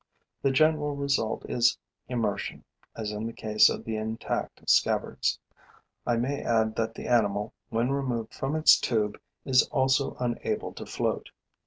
The general result is immersion, as in the case of the intact scabbards. I may add that the animal, when removed from its tube, is also unable to float.